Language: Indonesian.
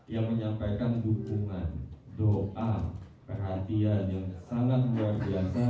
yang menyampaikan dukungan doa perhatian yang sangat luar biasa